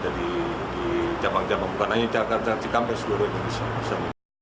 jadi di jambang jambang bukan hanya jakarta cikampek seluruh jalan bisa